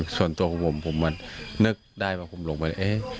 ส่วนตัวของผมผมมันนึกได้ว่าผมลงไปเอ๊ะ